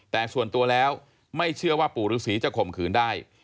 แต่ส่วนตัวแล้วไม่เชื่อว่าปู่ฤษีจะข่มขืนได้